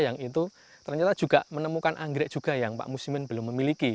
yang itu ternyata juga menemukan anggrek juga yang pak muslimin belum memiliki